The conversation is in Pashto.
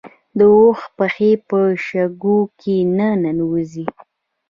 د اوښ پښې په شګو کې نه ننوځي